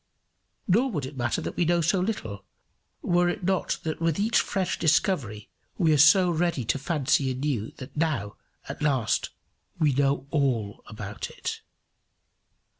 Nor would it matter that we know so little, were it not that with each fresh discovery we are so ready to fancy anew that now, at last, we know all about it.